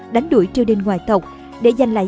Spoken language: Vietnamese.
đánh đuổi triều đình ngoại tộc để giành lại